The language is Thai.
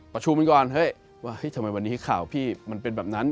ประชุมมันก่อนเฮ้ยว่าเฮ้ยทำไมวันนี้ข่าวพี่มันเป็นแบบนั้น